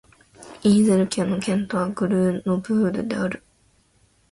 イゼール県の県都はグルノーブルである